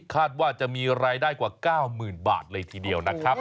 คาดว่าจะมีรายได้กว่า๙๐๐๐บาทเลยทีเดียวนะครับ